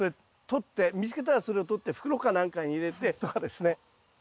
捕って見つけたらそれを捕って袋か何かに入れてとかですね。